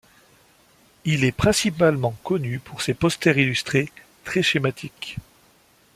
Il est principalement connu pour ses posters illustrés, très schématiques.